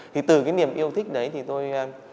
thì từ cái niềm yêu thích đấy thì tôi